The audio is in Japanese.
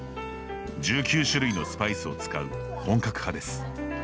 １９種類のスパイスを使う本格派です。